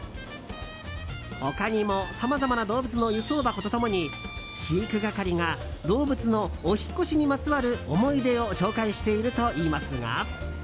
他にもさまざまな動物の輸送箱と共に飼育係が、動物のお引っ越しにまつわる思い出を紹介しているといいますが。